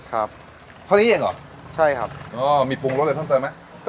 เพราะนี้เองเหรอมีพลุงรถเดี่ยวทั้งเติมมั้ย